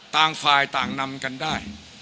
ต่างฝ่ายต่างนำกันได้